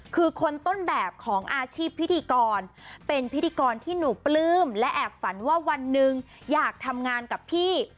คือคนต้นแบบของอาชีพพิธีกรเป็นพิธีกรที่หนูปลื้มและแอบฝันว่าวันหนึ่งอยากทำงานกับพี่